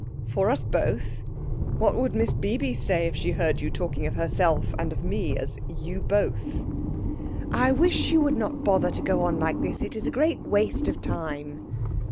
"For us both? What would Miss Bibi say if she heard you talking of herself and of me as 'you both'?" "I wish you would not bother to go on like this. It's a great waste of time."